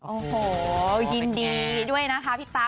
โอ้โหยินดีด้วยนะคะพี่ตั๊